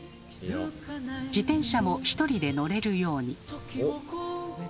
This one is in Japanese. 自転車も一人で乗れるように。